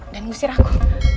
dan ngusir aku